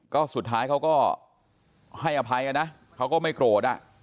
ก็สุดท้ายเขาก็ให้อภัยนะเขาก็ไม่โกรธอ่ะ